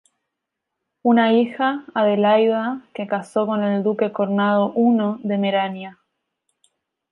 Una hija, Adelaida, que casó con el duque Conrado I de Merania.